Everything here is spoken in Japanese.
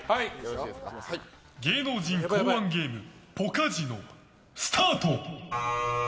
芸能人考案ゲームポカジノスタート。